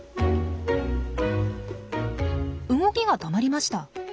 動きが止まりました。